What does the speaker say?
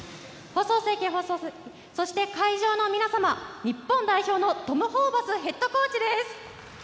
放送席、そして会場の皆様日本代表のトム・ホーバスヘッドコーチです。